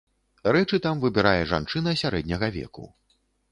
Рэчы там выбірае жанчына сярэдняга веку.